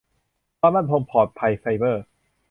ความมั่นคงปลอดภัยไซเบอร์